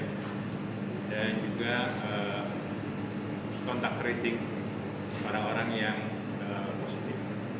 dan juga kontak tracing para orang yang positif